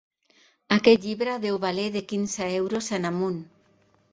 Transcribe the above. Aquest llibre deu valer de quinze euros en amunt...